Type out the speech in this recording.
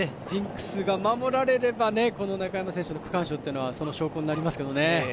ジンクスが守られれば中山選手の区間賞というのはその証拠になりますけどね。